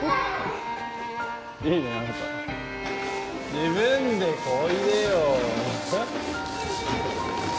自分でこいでよ！